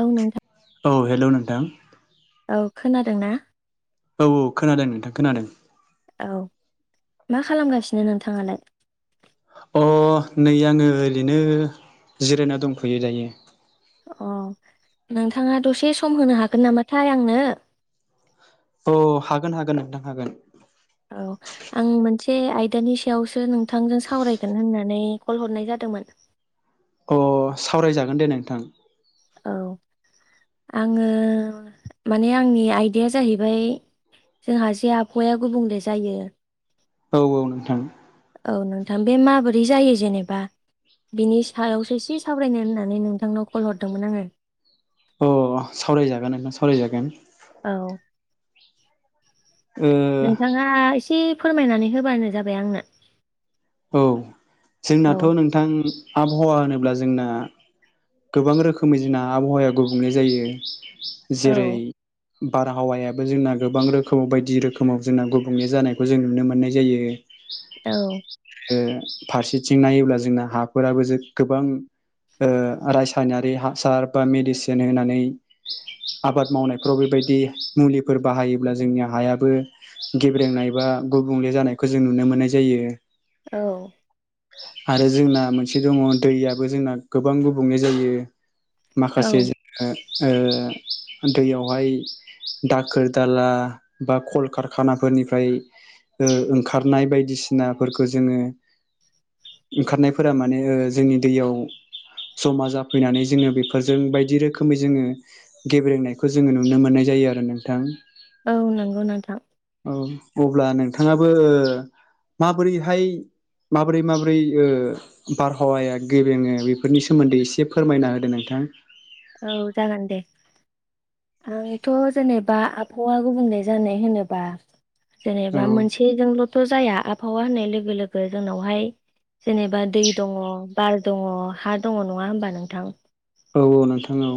औ नोंथां औ हेलौ नोंथां। औ खोनादोंना? औ औ खोनादों नोंथां खोनादों। औ मा खालामगासिनो नोंथाङालाय? अ नै आङो ओरैनो जिरायना दंथ'यो दायो। अ नोंथाङा दसे सम होनो हागोन नामाथाय आंनो? अ हागोन हागोन नोंथां हागोन। औ आं मोनसे आयदानि सायावसो नोंथांजों सावरायगोन होननानै कल हरनाय जादोंमोन। [inaudible] अ सावरायजागोन दे नोंथां। औ आङो माने आंनि आयदाया जाहैबाय जोंहा जे आबहावाया गुबुंले जायो औ औ नोंथां। औ नोंथां बे माबोरै जायो जेनेबा बिनि सायावसो एसे सावरायनो होननानै नोंथांनाव कल हरदोंमोन आङो। अ सावरायजागोन नोंथां सावरायजागोन। औ। ओ नोंथाङा एसे फोरमायनानै होबानो जाबाय आंनो। औ औ जोंनाथ' नोंथां आबहावा होनोब्ला जोंना गोबां रोखोमै जोंना आबहावाया गुबुंले जायो। औ जेरै बारहावायाबो जोंना गोबां रोखोमाव बायदि रोखोमाव जोंना गुबुंले जानायखौ जों नुनो मोननाय जायो। औ। ओ फारसेथिं नायोब्ला जोंना हाफोराबो जो गोबां ओ रासायनारि हासार बा मेडिसिन होनानै आबाद मावनायफ्राव बेबायद बायदि मुलिफोर बाहखयोब्ला जोंनि हायाबो गेब्रेंनाय बा गुबुंले जानायखौ जों नुनो नुनो मोननाय जायो। औ। आरो जोंना मोनसे दङ दैयाबो जोंना गोबां गुबुंले जायो। औ माखासे ज ओ‌ ओ दैयावहाय दाखोर दाला बा कलकारखानाफोरनिफ्राय ओ ओंखारनाय बायदिसिनाफोरखौ जोङो ओंखारनायफोरा माने ओ जोंनि दैयाव जमा जाफैनानै जोङो बेफोरजों बायदि रोखोमै जोङो गेब्रेेंनायखौ जोङो नुनो मोननाय जाय जायो आरो नोंथां। औ नंगौ नोंथां। औ अब्ला नोंथाङाबो ओ माब्रैहाय माबोरै माबोरै ओ बारहावाया गेब्रेङो बेफोरनि सोमोन्दै एसे फोरमायना होदो नोंथ थां। औ जागोन दे‌। आंथ' जेनेबा आबहावा गुबुंले जानाय होनोबा औ जेनेबा मोनसेजोंल'थ' जाया आबहावा होननाय लोगो लोगो जोंनावहाय जेनेबा दै दङ, बार दङ, हा दङ नङा होमबा नोंथां? औ औ नोंथां औ।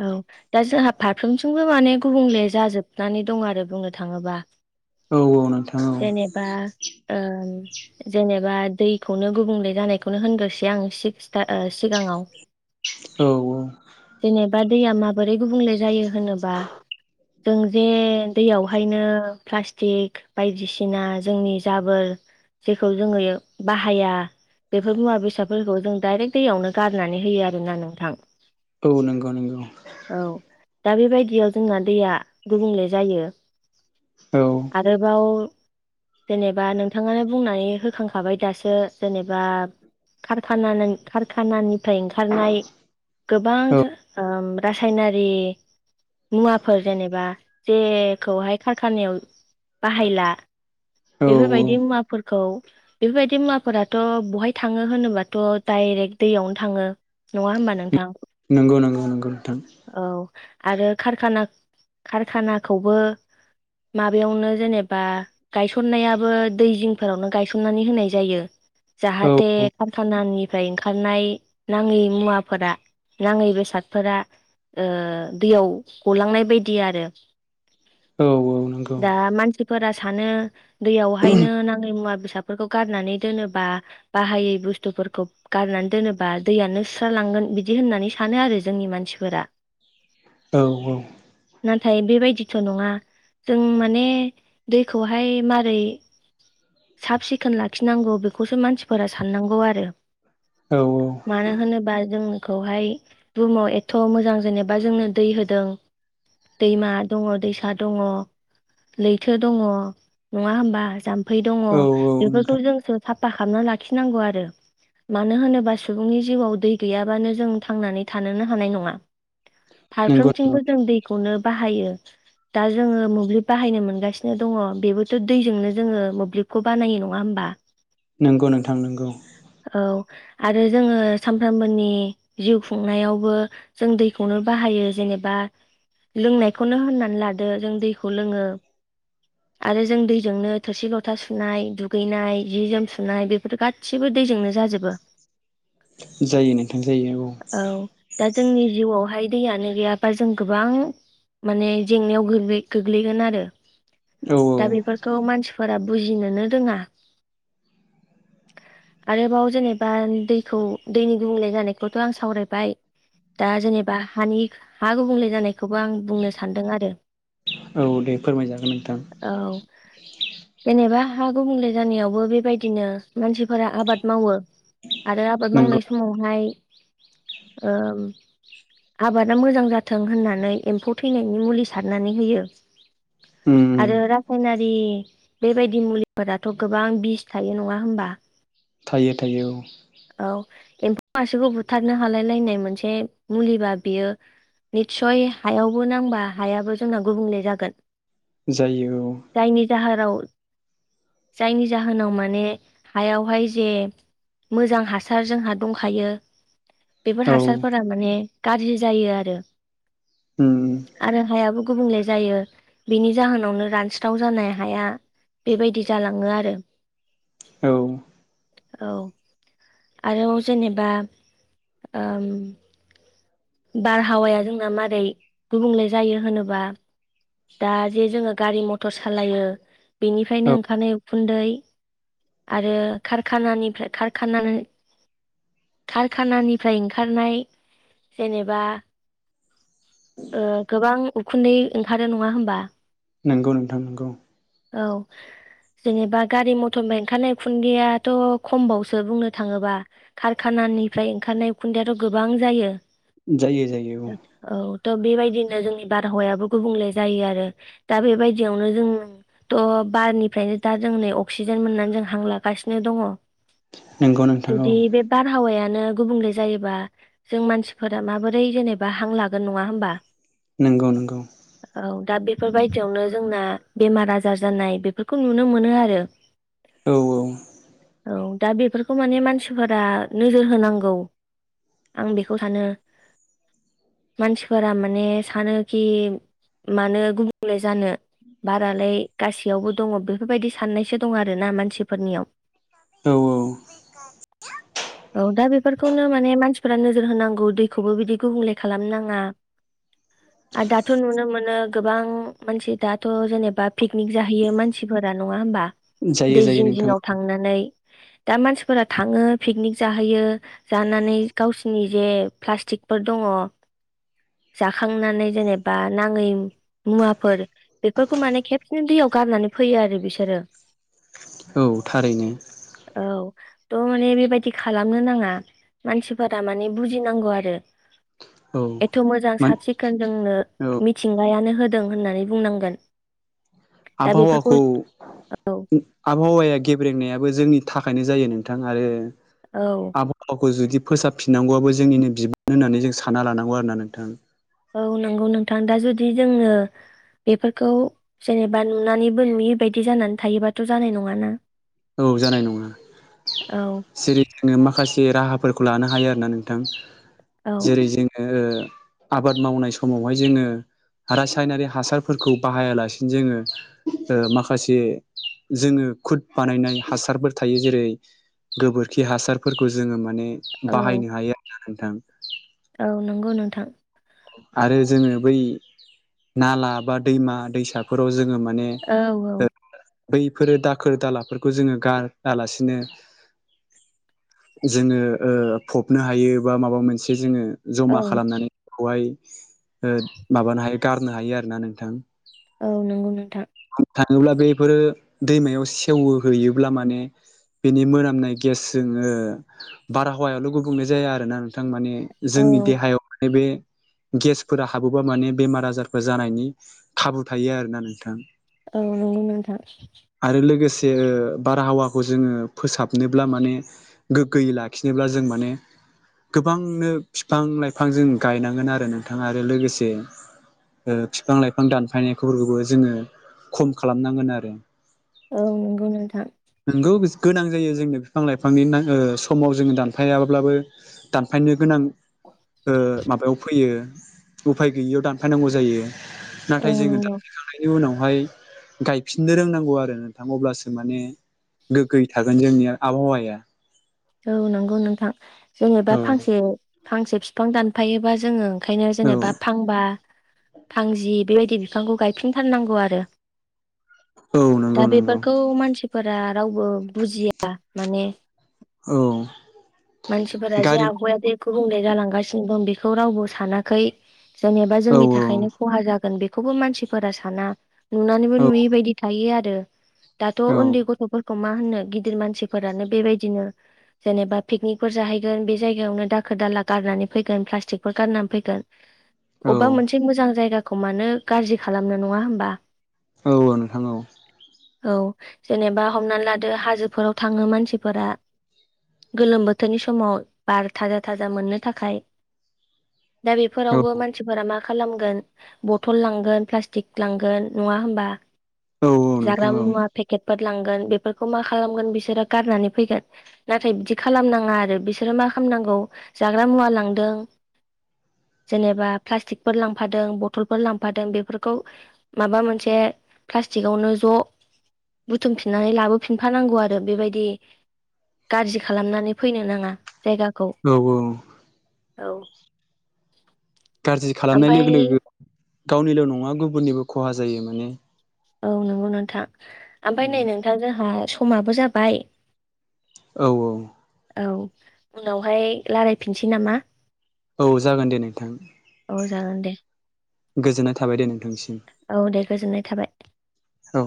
औ दा जोहा फारफ्रोमथिंबो माने गुबुंले जाजोबनानै दं आरो बुंनो थाङोबा। औ औ नोंथां जेनेबा ओ जेनेबा दैखौनो गुबुंले जानायखौनो होनग्रोसै आं सिक्स-टार-ओ-सिगाङाव औ औ। जेनेबा दैया माबोरै गुबुंले जायो होनोबा जों जे दैयावहायनो प्लास्टिक बायदिसिना जोंनि जाबोर जेखौ जोङो बाहाया बेफोर मुवा बेसादफोरखौ जों दाइरेक्ट दैयावनो गारनानै होयो आरोना नोंथां औ नंगौ नंगौ औ दा बेबायदियाव जोंना दैया गुबुंले जायो औ आरोबाव जेनेबा नोंथाङानो बुंनानै होखांखाबाय दासो जेनेबा कारा कारखानानिफ्राय ओंखारनाय गोबां औ ओम रासायनारि मुवाफोर जेनेबा जेखौहाय खारखानायाव बाहायला औ बेफोरबायदि मुवाफोरखौ बेफोरबायदि मुवाफोराथ' बहाय थाङो होनोबाथ' दाय डिरेक् दैयावनो थाङो नङा होमबा नोंथां नंगौ नंगौ नंगौ नोंथां औ आरो कारखाना कारखानाखौबो माबायावनो जेनेबा गायसननायाबो दै जिंफोरावनो गायसननानै होनाय जायो। औ जाहाथे कारखानानिफ्राय ओंखारनाय नाङै मुवाफोरा नाङैबो सादफोराओ दैयाव गलांनाय बायदि आरो औ औ नंगौ दा मानसि फोर सानो दैयावहायनो नाङै मुवा बेसादफोरखौ गारनानै दोनोब बाहायै बुस्थुफोरखौ गारनानै दोनोबा दैयानो सुस्रा लांगोन बिदि होननानै सानो आरो जोंनि मानसिफोरा औ औ नाथाय बेबायदिथ' नङा जों माने दैखौहाय मारै साब सिखोन लाखिनांगौ बेखौसो मानसिफोरा साननांगौ आरो औ औ मानो होनोबा जोंखौहाय बुहुमाव एथ' मोजां जेनेबा जोंनो दै होदों दैमा दङ दैसा दङ । लैथो दङ नङा होमबा जाम्फै दङ औ औ नोंथां बेफोरखौ जोंसो साफा खालामना लाखिनांगौ आरो मानो होनोबा सुबुंनि जिउआव दै गैयाबानो जों थांनानै थानोनो हानाय नङा नंगौ नंगौ फारफ्रोमथिंबो जों दैखौनो बाहायो। दा जोङो मोब्लिब बाहायनो मोनगासिनो दङ बेबोथ' दैजोंनो जोङो मोब्लिबखौ बानायो नङा होमबा? नंगौ नोंथां नंगौ। औ आरो जोङो सामफ्रामबोनि जिउ खुं खुंयावबो जों दैखौनो बाहायो जेनेबा लोंनायखौनो होननानै लादो जों दैखौ लोङो। आरो जों दैजोंनो थोरसि लथा सुनाय दुगैनाय जि जोम सुनाय बेफोर गासिबो दैजोंनो जाजोबो। जायो नोंथां जायो औ। औ दा जोंनि जिउआवहाय दैयानो गैयाबा जों गोबां माने जेंनायाव गोग्लै गोग्लैगोन आरो औ दा बेफोरखौ मानसिफोराबो बुजिनोनो रोङा। आरोबाव जेनेबा दैखौ दैनि गुबुंले जानायखौ थ आं सावरायबाय दा जेनेबा हानि हा गुबुंले जानाय बे खौबो आं बुंनो सानदों आरो। औ औ दे फोरमायजागोन नोंथां औ जेनेबा हा गुबुंले जानायावबो बेबायदिनो मानसिफोरा आबाद मावो। आरो आबाद मावनाय नंगौ समावहाय ओम आबादा मोजां जाथों होननानै एम्फौ थैनायनि मुलि सारनानै होयो। उम आरो रासायनारि दि बेबायदि मुलिफोराथ' गोबां बिस थायो नङा होमबा? थायो थायो औ। औ एम्फौ मासेखौ बुथारनो हालाय लायनाय मोनसे मुलिबा बेयो निस्सय हायावबो नांबा हायाबो जोंना गुबुंले जागोन। जायो औ। औ जायनि जाहोनाव माने हायावहाय जे मोजां हासार जोंहा दंखायो बेफोर औ हासारफोरा माने गाज्रि जायो आरो उम आरो हायाबो गुबुंले जायो बेनि जाहोनावनो रानस्राव जानाय हाया बेबायदि जालाङो आरो। औ औ आरो जेनेबा ओम बारहावाया जोंना मारै गुबुंले जायो होनोब्ला दा जे जोङो गारि मथर सालायो बेनिफ्रायनो औ ओंखारनाय उखुन्दै आरो कारखानानिफ्राय कारखाना कारखानानिफ्राय ओंखारनाय जेनेबा ओ गोबां उखुन्दै ओंखारो नङा होमबा? नंगौ नोंथां नंगौ। औ जेनेबा गारि मथरनिफाय ओंखारनाय खुन्दैयाथ' खमबावसो बुंनो थाङोबा खाराखान खानानिफ्राय ओंखारनाय उखुनदैयाथ' गोबां जायो जायो जायो औ औ थ बेबाय दिनो जोंनि बारहावायाबो गुबुंले जायो आरो दा बेबायदियावनो जों थ' बारनिफ्रायनो दा जों नै अक्सिजेन मोननानै जों हां लागासिनो दङ। नंगौ नोंथां औ जुदि बे बारहावायानो गुबुंले जायोबा जों मानसि फोरा माबोरै जेनेबा हां लागोन नङा होमबा? नंगौ नंगौ। बेबायदियावनो जोंना बेमार आजार जानाय बेफोरखौ नुनो मोनो आरो। औ औ। औ दा बेफोरखौ माने मानसिफोरा नोजोर होनांगौ आं बेखौ सानो। मानसिफोरा माने सानोखि मानो गुबुंले जानो। बारालाय गासैयावबो दङ बेफोरबायदि साननायसो दं आरो। ना मानसिफोरनियाव। औ औ दा बेफोरखौनो माने मानसिफोरा नोजोर होनांगौ दैखौबो बिदि गुबुंले खालाम नङा। [unintelligible] आर दाथ' नुनो मोनो गोबां मानसि दाथ' जेनेबा पिकनिक जाहैयो मानसिफोरा नङा होमबा। जायो दै जायो जिं नोंथां जिङाव थांनानै। दा मानसिफोरा थाङो पिकनिक जाहैयो जानानै गावसिनि जे प्लास्टिकफोर दङ जाखांनानै जेनेबा नाङै। मुवाफोर बेफोरखौ माने खेबसेनो दैयाव गारनानै फैयो आरो बिसोरो। औ थारैनो। औ थ' माने बेबायाददि खालामनो नाङा मानसिफोरा माने बुजिनांगौ आरो। औ एथ' मोजां मोन साब सिखोन जोंनो औ मिथिंगायानो ह होदों होननानै बुंनांगोन। दा बेफोरखौ आबहावाखौ औ उम आबहावाया गेब्रेंनायाबो जोंनि थाखायनो जायो नोंथां आरो औ आबहावाखौ जुदि फोसाबफिननांगौआबो जोंनिनो बिबान होननानै जों सानना लानांगौ आरोना नोंथां। औ नंगौ नोंथां दा जुदि जोंङो बेफोरखौ जेनेबा नुनानैबो नुयिबायदि जानानै थायोबाथ' जानाय नङाना। औ जानाय नङा औ सिरि जोंनो माखासे राहाफोरख खौ लानो हायो आरोना नोंथां औ जेरै जोङो ओ [inaudible] आबाद मावनाय समावहाय जोङो। रासायनारि हासारफोरखौ बाहायालासिनो जोङो ओ माखासे जोङो खुद। बानायनाय हासारफोर थायो जेरै गोबोरखि हासारफोरखौ जोङो माने औ बाहायनो हायो आरो नोंथां। औ नंगौ नोंथां। आरो जोङो बै नाला बा दैमा दैसाफोराव जोङो मा औ औ। बैफोरो दाखोर दालाफोरखौ जोङो गारालासिनो जोङो‍ ओ फबनो हायो बा माबा मोनसे जोङो जमा औ खालामनानै बहाय ओ माबानो हायो गारनो हायो आरो ना नोंथां। औ नंगौ नोंथां थाङोब्ला बेफोरो दैमायाव सेवो हैैयोब्ला माने बेनि मोनामनाय गेस जोङो बारहावायावल' गुबुंनाय जाया आरो ना नोंथां माने। जोंनि औ देहायाव माने बे गेसफोरा हाबोबा माने बेमार आजारफोर जानायनि खाबु थायो आरोना नोंथां। औ नंगौ नथां। जे बारहावाखौ जोङो फोसाबनोब्ला माने गोग्गोयै लाखिनोब्ला जों माने गोबांनो बिफां लाइफां जों गायनांगोन आरो नोंथां आरो लोगोसे ओ बिफां लाइफां दानफायनायफोरखौबो जोङो खम खालामनांगोन आरो। औ नंगौ नोंथां। नोंगौ गोनां जायो जोंनो बिफां लाइफांनि समाव जोङो दानफायाब्लाबो दानफायनो गोनां ओ माबायाव फैयो उफाय गैयियाव दानफायनांगौ जायो। औ नाथाय जोङो नंगौ दाखखांनायनि उनाव हाय गायफिननो रोंनांगौ आरो नोंथां अब्लासो माने। गोगै थागोन जोंनि आबहावाया। औ नंगौ नोंथां जेंङोबा औ फांसे फांसे बिफां दानफायोबा जोङो खायनो औ जेनेबा फांबा थांजि बेबायदि बिफांखौ गायफिनथारनांगौ आरो। औ दा नंगौ नंगौ बेफोरखौ मानसिफोरा रावबो बुजिया माने। औ मानसिफोरा जे गारि आबहावाया दैखौ बुंनाय जालांगासिनो दं बेखौ रावबो सानाखै जेनेबा औ जोंनि थाखायनो खहा जागोन बे बे खौबो मानसिफोरा साना नुनानैबो औ नुयैबायायदि थायो आरो दाथ औ उन्दै गथ गथफोर खौ मा होनो गिदिर मानसिफोरानो बेबायदिनो जेनेबा पिकनिकफोर जाहैगोन बे जायगायावनो दाखोर दाला गारनानै फैगोन प्लास्टिकफोर गारनानै फैगोन औ अबेबा मोनसे मोजां जायगाखौ मानो गाज्रि खालामनो नङा होमबा औ औ नोंथां औ औ जेनेबा हमनानै लादो हाजोफोराव थाङो मानसिफोरा गोलोम बोथोरनि समाव बार थाजा थाजा मोननो थाखाय दा औ बेफोरावबो मानसिफोरा मा खालामगोन बथल लांगोन प्लास्टिक लांगोन नङा हबा औ औ जाग्रा नोंथां औ मुवा पेकेटफोर लांगोन बेफोरखौ मा खालामगोन बिसोरो गारनानै फैगोन । नाथाय बिदि खालामनाङा आरो बिसोरो मा खालामनांगौ जाग्रा मुवा लांदों [inaudible] जेनेबा प्लास्टिकफोर लांफादों बथलफोर लांफादों बेफोरखौ माबा मोनसे प्लास्थिकावनो ज बुथुमफिननानै लाबोफिनफानांगौ आरो बेबायदि गाज्रि खालामनानै फैनो नाङा । औ औ औ गाज्रि खालामनाय ओमफ्राय लोगो लोगो गावनिल नङा गुबुननिबो खहा जायो माने । औ नंगौ नोंथां ओमफ्राय नै नोंथां जोंहा समाबो जाबाय औ औ औ उनावहाय रायलायफिनसै नामा? औ जागोन दे नोंथां औ जागोन दे । गोजोननाय थाबाय दे नोंथांसिम औ दे गोजोननाय थाबाय औ